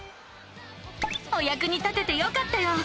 おやくに立ててよかったよ！